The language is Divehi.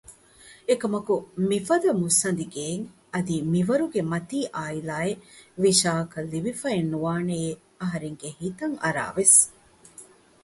އެކަމަކު މިފަދަ މުއްސަނދި ގެޔެއް އަދި މިވަރުގެ މަތީ އާއިލާއެއް ވިޝާއަކަށް ލިބިފައެއް ނުވާނެޔޭ އަހަރެންގެ ހިތަށް އަރާވެސް